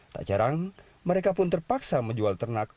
tak jarang mereka pun terpaksa menjual ternak